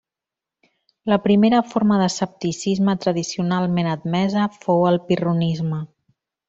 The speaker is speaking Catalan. La primera forma d'escepticisme tradicionalment admesa fou el pirronisme.